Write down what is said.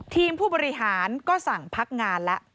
ผู้บริหารก็สั่งพักงานแล้ว